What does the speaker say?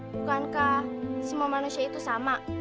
bukankah semua manusia itu sama